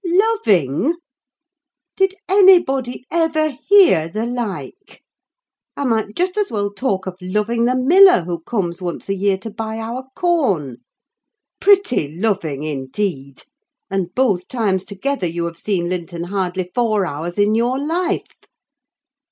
"Loving! Did anybody ever hear the like! I might just as well talk of loving the miller who comes once a year to buy our corn. Pretty loving, indeed! and both times together you have seen Linton hardly four hours in your life!